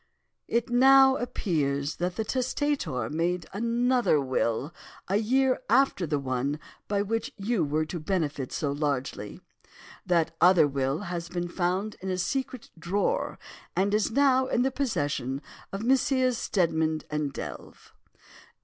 "'It now appears that the testator made another will a year after the one by which you were to benefit so largely. That other will has been found in a secret drawer, and is now in the possession of Messrs. Steadman and Delve.